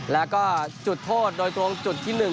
แล้วก็จุดโทษโดยตรงจุดที่๑